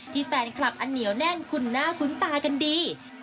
แฟนคลับอันเหนียวแน่นคุ้นหน้าคุ้นตากันดี